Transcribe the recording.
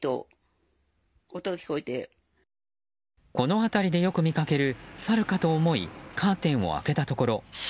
この辺りでよく見かけるサルかと思いカーテンを開けたところ